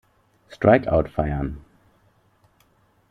Strikeout feiern.